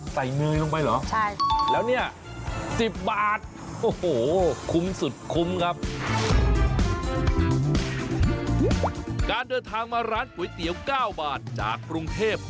ใส่เนื้ออีกลงไปหรือ